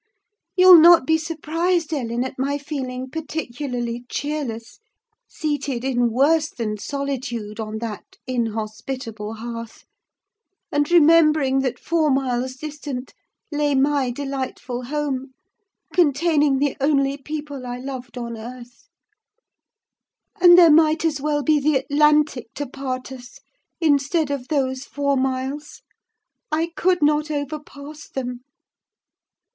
You'll not be surprised, Ellen, at my feeling particularly cheerless, seated in worse than solitude on that inhospitable hearth, and remembering that four miles distant lay my delightful home, containing the only people I loved on earth; and there might as well be the Atlantic to part us, instead of those four miles: I could not overpass them!